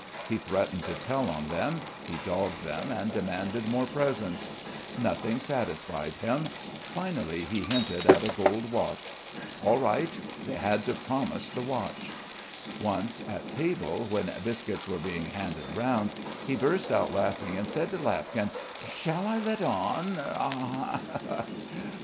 He threatened to tell on them; he dogged them and demanded more presents. Nothing satisfied him finally he hinted at a gold watch. All right, they had to promise the watch. Once, at table, when biscuits were being handed round, he burst out laughing and said to Lapkin: "Shall I let on?